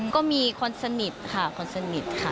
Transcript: ก็มีคนสนิทค่ะคนสนิทค่ะ